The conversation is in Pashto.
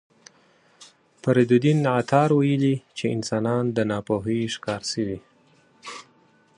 فریدالدین عطار ویلي چې انسانان د ناپوهۍ ښکار شوي.